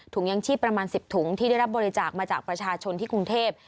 ยังชีพประมาณ๑๐ถุงที่ได้รับบริจาคมาจากประชาชนที่กรุงเทพ